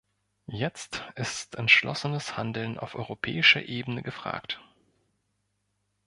Jetzt ist entschlossenes Handeln auf europäischer Ebene gefragt.